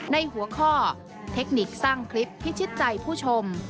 ในหัวข้อเทคนิคสร้างคลิปพิชิตใจผู้ชม